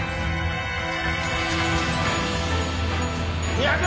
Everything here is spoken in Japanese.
２００！